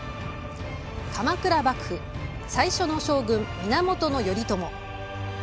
鎌倉幕府、最初の将軍源頼朝。